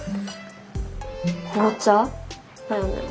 紅茶だよね？